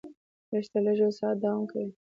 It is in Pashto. لږ تر لږه یو ساعت دوام کوي.